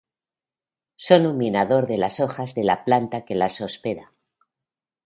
Son un minador de las hojas de la planta que las hospeda.